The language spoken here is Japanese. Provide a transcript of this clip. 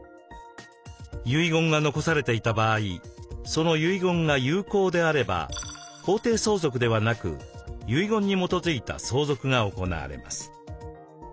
遺言が残されていた場合その遺言が有効であれば法定相続ではなく遺言に基づいた相続が行われます。